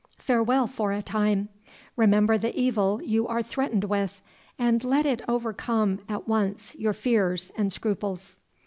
Farewell for a time. Remember the evil you are threatened with, and let it overcome at once your fears and scruples."